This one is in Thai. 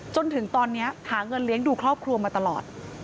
จนถึงตอนนี้หาเงินเลี้ยงดูครอบครัวมาตลอด